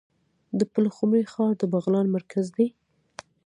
د پلخمري ښار د بغلان مرکز دی